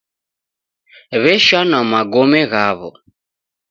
W'eshanwa magome ghaw'o